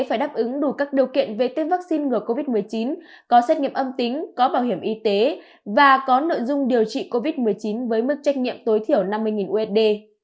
khách du lịch quốc tế phải đáp ứng đủ các điều kiện về tiết vaccine ngừa covid một mươi chín có xét nghiệm âm tính có bảo hiểm y tế và có nội dung điều trị covid một mươi chín với mức trách nhiệm tối thiểu năm mươi usd